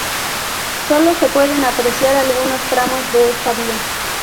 Sólo se pueden apreciar algunos tramos de esta vía.